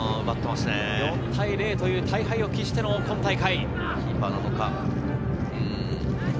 ４対０という大敗を喫しての今大会。